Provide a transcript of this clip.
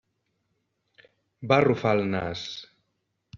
Va arrufar el nas.